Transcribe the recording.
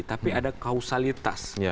tapi ada kausalitas